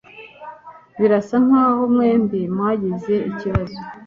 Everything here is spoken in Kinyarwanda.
Birasa nkaho mwembi mwagize ikibazo.